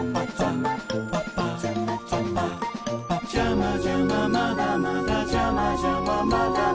「ジャマジャマまだまだジャマジャマまだまだ」